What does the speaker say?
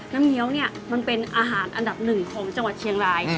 เงี้ยวเนี่ยมันเป็นอาหารอันดับหนึ่งของจังหวัดเชียงราย